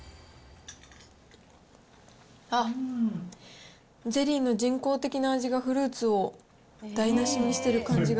あっ、ゼリーの人工的な味がフルーツを台無しにしてる感じが。